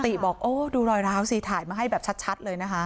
ติศักดิ์บอกโอ้ดูรอยราวซีถ่ายมาให้แบบชัดเลยนะคะ